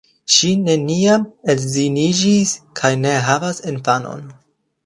Ŝi neniam edzinigis kaj ne havas infanon.